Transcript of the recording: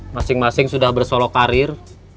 masing masing sudah bersolok karir